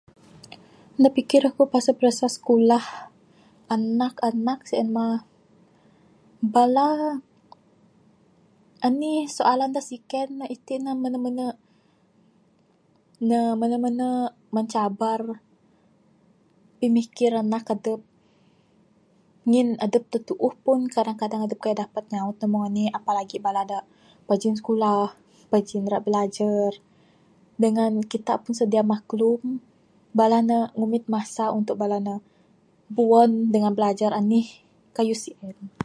Da pikir akuk pasal pirasa skulah, anak anak sien mah. Bala, anih soalan da siken ne iti ne menu menu, ne menu menu mencabar pimikir anak adup. Ngin adup da tuuh pun kadang kadang kaik dapat nyaut ne mung anih. Apa lagik bala de pajin sikulah, pajin rak bilajar. Dengan kitak pun sedia maklum, bala ne ngumit masa umtuk bala ne mpu'an dengan blajar anih kayuh si'en.